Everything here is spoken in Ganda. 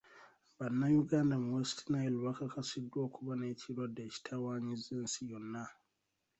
Bannayuganda mu West Nile bakakasiddwa okuba n'ekirwadde ekitawaanyizza ensi yonna.